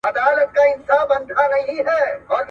که ښوونځی لري وي نو په کور کي آنلاین زده کړه ډېره ګټوره ده.